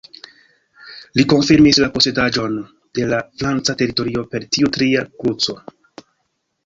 Li konfirmis la posedaĵon de la franca teritorio per tiu tria kruco.